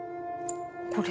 これ？